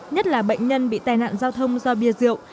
nhất là bệnh nhân bị tai nạn giao thông do bia rượu